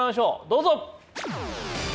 どうぞ。